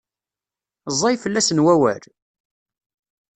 Ẓẓay fell-asen wawal?